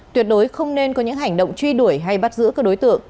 tuyệt đối không nên có những hành động truy đuổi hay bắt giữ các đối tượng